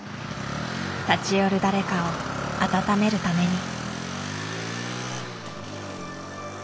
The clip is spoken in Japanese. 立ち寄る誰かを温めるために。